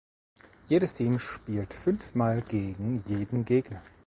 Jedes Team spielt fünf Mal gegen jeden Gegner.